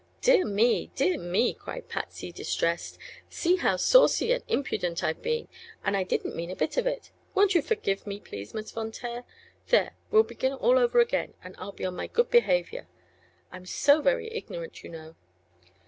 "Dear me dear me!" cried Patsy, distressed, "see how saucy and impudent I've been and I didn't mean a bit of it! Won't you forgive me, please, Miss Von Taer? There! we'll begin all over again, and I'll be on my good behavior. I'm so very ignorant, you know!"